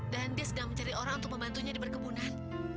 dan dia sedang mencari orang untuk membantunya di perkebunan